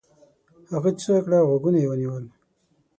هغه چیغه کړه او غوږونه یې ونيول.